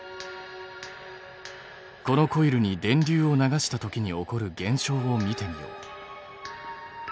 このコイルに電流を流したときに起こる現象を見てみよう。